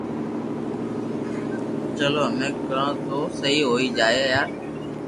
چلو ھمي ڪاوو ڪرو تو سھي ھوئي يار